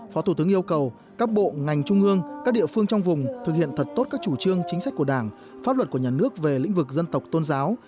phó thủ tướng yêu cầu các bộ ngành trung ương các địa phương trong vùng thực hiện thật tốt các chủ trương chính sách của đảng pháp luật của nhà nước về lĩnh vực dân tộc tôn giáo